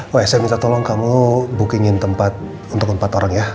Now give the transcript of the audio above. wah saya minta tolong kamu bookingin tempat untuk empat orang ya